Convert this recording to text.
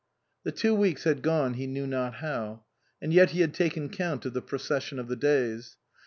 The two weeks had gone he knew not how ; and yet he had taken count of the procession of the days.